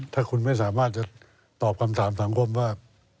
ถ้าคุณไม่สามารถจะตอบคำถามสังคมว่า